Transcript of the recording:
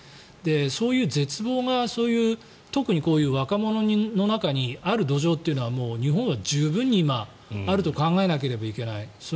そういう絶望が特にこういう若者の中にある土壌というのは日本は十分にあると考えなければいけない。